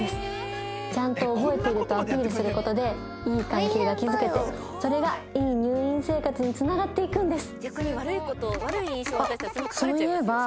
ちゃんと覚えてるとアピールする事でいい関係が築けてそれがいい入院生活につながっていくんです。